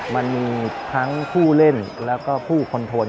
มันมีทั้งผู้เล่นแล้วก็ผู้คนทน